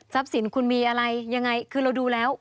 สินคุณมีอะไรยังไงคือเราดูแล้ว